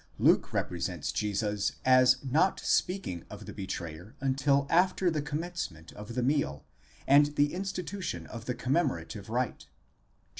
Luke represents Jesus as not speaking of the betrayer until after the commencement of the meal, and the institution of the commemora tive rite (xxii.